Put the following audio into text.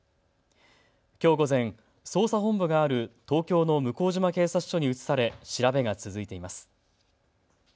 きょう午前、捜査本部がある東京の向島警察署に移され調べが続いています。